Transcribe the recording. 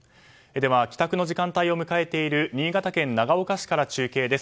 では帰宅の時間帯を迎えている新潟県長岡市から中継です。